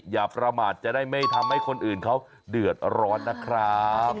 อย่าประมาทจะได้ไม่ทำให้คนอื่นเขาเดือดร้อนนะครับ